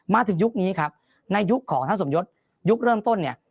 ยุคนี้ครับในยุคของท่านสมยศยุคเริ่มต้นเนี่ย